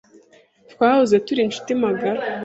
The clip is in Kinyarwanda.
Twahoze turi inshuti magara.